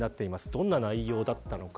どんな内容だったのか。